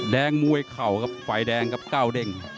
แดงมู้ยข่าวฝ่ายแดงกราวเด่ง